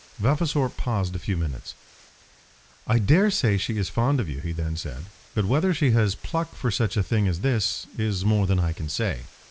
Vavasor paused a few minutes. "I dare say she is fond of you," he then said; "but whether she has pluck for such a thing as this, is more than I can say.